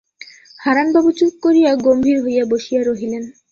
হারানবাবু চুপ করিয়া গম্ভীর হইয়া বসিয়া রহিলেন।